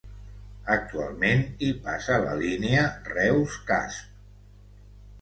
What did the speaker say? Actualment hi passa la línia Reus-Casp.